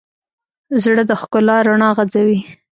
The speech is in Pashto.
زړه د ښکلا رڼا غځوي.